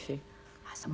ああそう。